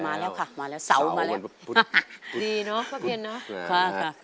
มาแล้วค่ะมาแล้วสาวมันมาแล้วดีเนอะพระเพียรนะค่ะค่ะค่ะ